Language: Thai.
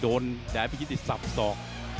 โดนแดดภิกฤทธิ์ที่สับสอก